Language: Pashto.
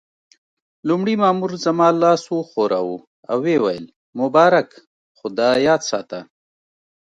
لومړي مامور زما لاس وښوراوه او ويې ویل: مبارک، خو دا یاد ساته.